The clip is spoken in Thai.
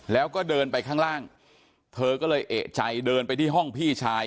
แล้วก็เดินไปข้างล่างเธอก็เลยเอกใจเดินไปที่ห้องพี่ชาย